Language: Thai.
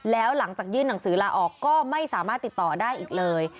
แล้วหลังจากยื่นหนังสือลาออกก็ไม่สามารถติดต่อได้อีกเลย